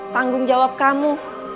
tanggung jawab kamu